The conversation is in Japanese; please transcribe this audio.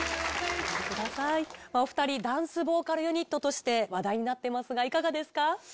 お２人ダンスボーカルユニットとして話題になってますがいかがですか？